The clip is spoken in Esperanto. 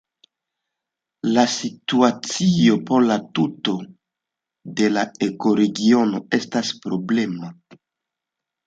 La situacio por la tuto de la ekoregiono estas problema.